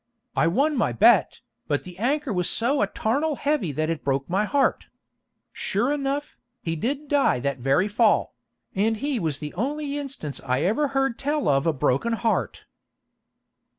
I won my bet, but the anchor was so etarnal heavy that it broke my heart.' Sure enough, he did die that very fall; and he was the only instance I ever heard tell of a broken heart."